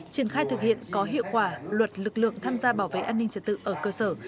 triển khai thực hiện có hiệu quả luật lực lượng tham gia bảo vệ an ninh trật tự ở cơ sở